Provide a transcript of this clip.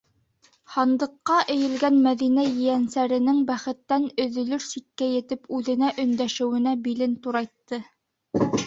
Һандыҡҡа эйелгән Мәҙинә ейәнсәренең бәхеттән өҙөлөр сиккә етеп үҙенә өндәшеүенә билен турайтты.